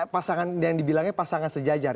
pasangan yang dibilangnya pasangan sejajar